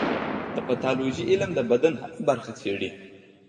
د پیتالوژي علم د بدن هره برخه څېړي.